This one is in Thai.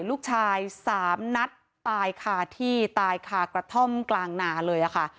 ลูกชายสามนัดตายค่ะที่ใต้ค่ะกระท่อมกลางเมอร์เลยอะคะ